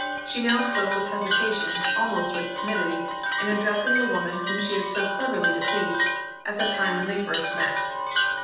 She now spoke with hesitation, almost with timidity, in addressing the woman whom she had so cleverly deceived, at the time when they first met.